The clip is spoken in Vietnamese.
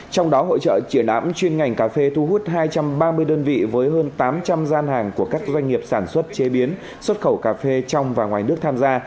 trong đó hội trợ triển lãm chuyên ngành cà phê thu hút hai trăm ba mươi đơn vị với hơn tám trăm linh gian hàng của các doanh nghiệp sản xuất chế biến xuất khẩu cà phê trong và ngoài nước tham gia